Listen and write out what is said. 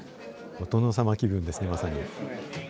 お殿様気分ですねまさに。